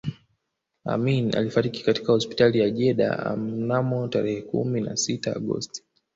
Amin alifariki katika hospitali ya Jeddah mnamo tarehe kumi na sita Agosti